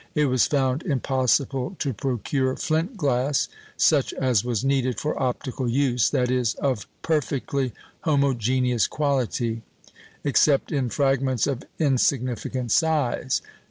It was found impossible to procure flint glass, such as was needed for optical use that is, of perfectly homogeneous quality except in fragments of insignificant size.